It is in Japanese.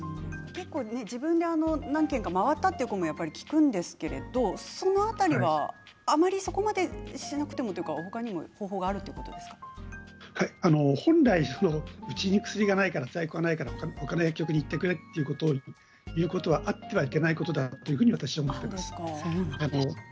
自分で何軒か回ったということを聞くんですがその辺りはあまり、そこまでしなくてもというか他にも方法がある本来うちに薬がないから在庫がないから他の薬局に行ってくれということはあってはいけないことだと私は思っています。